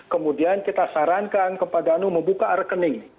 kemudian kita sarankan kepada anu membuka rekening